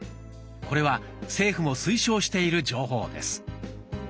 これは政府も推奨している情報です。